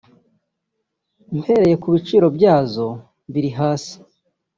Mpereye ku biciro byazo biri hasi